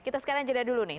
kita sekarang jeda dulu nih